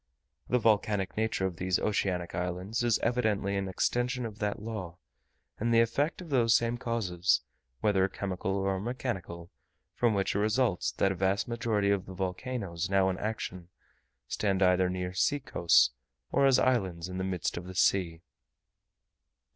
The volcanic nature of these oceanic islands is evidently an extension of that law, and the effect of those same causes, whether chemical or mechanical, from which it results that a vast majority of the volcanoes now in action stand either near sea coasts or as islands in the midst of the sea.